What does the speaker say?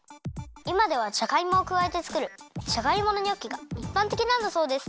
いまではジャガイモをくわえてつくるジャガイモのニョッキがいっぱんてきなんだそうです。